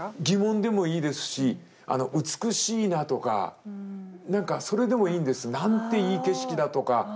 疑問でもいいですし美しいなとか何かそれでもいいんです。なんていい景色だとか。